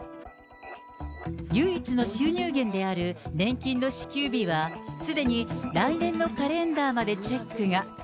唯一の収入源である年金の支給日は、すでに来年のカレンダーまでチェックが。